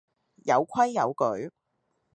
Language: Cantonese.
有規有矩